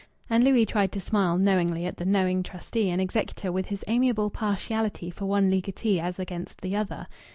And Louis tried to smile knowingly at the knowing trustee and executor with his amiable partiality for one legatee as against the other.